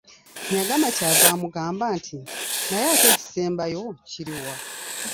Nyagama ky'ava amugamba nti, naye ate ekisembayo kiri wa?